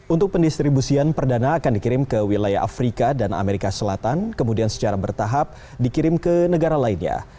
untuk pendistribusian perdana akan dikirim ke wilayah afrika dan amerika selatan kemudian secara bertahap dikirim ke negara lainnya